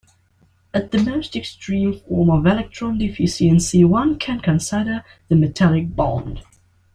As the most extreme form of electron deficiency one can consider the metallic bond.